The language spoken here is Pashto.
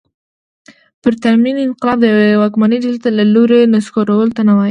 پرتمین انقلاب د یوې واکمنې ډلې له لوري نسکورولو ته نه وايي.